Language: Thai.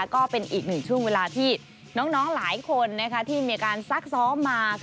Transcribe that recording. ก็เป็นอีกหนึ่งช่วงเวลาที่น้องหลายคนที่มีอาการซักซ้อมมา